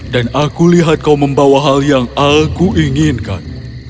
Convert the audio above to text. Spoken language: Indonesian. dan aku lihat kau membawa hal yang aku inginkan